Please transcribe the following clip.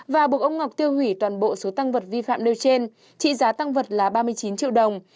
và buộc ông ngọc tiêu hủy toàn bộ số tăng vật vi phạm nêu trên trị giá tăng vật là ba mươi chín triệu đồng